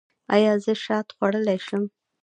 ایا زه شات خوړلی شم؟